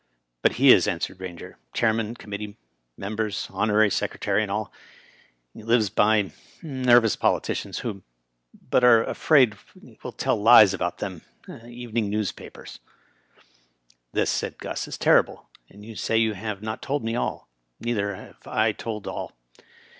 "But he is," answered Rainger. "Chairman, com mittee, members, honorary secretary, and aU. And he lives by .... nervous politicians who .... but are afraid he will tell lies about them .... evening n wsp p rs." " This," said Gus, " is terrible ; and you say you have not told me aU. Neither have I told all.